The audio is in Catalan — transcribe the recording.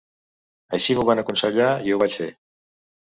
Així m’ho van aconsellar i ho vaig fer.